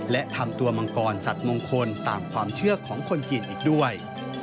และทำตัวมังกรสัตว์มงคลตามความเชื่อของคนจีนอีกด้วย